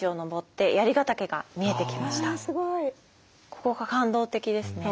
ここが感動的ですね。